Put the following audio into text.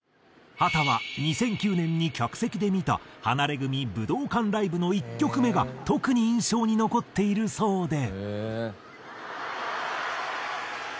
秦は２００９年に客席で見たハナレグミ武道館ライブの１曲目が特に印象に残っているそうで。